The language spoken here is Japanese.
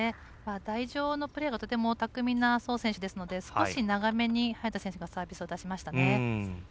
台上のプレーがとても巧みな宋選手ですので少し長めに早田選手がサービスを出しましたね。